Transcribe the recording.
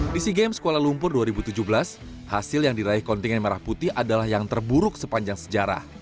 di sea games kuala lumpur dua ribu tujuh belas hasil yang diraih kontingen merah putih adalah yang terburuk sepanjang sejarah